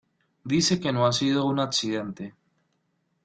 Dice que no ha sido un accidente.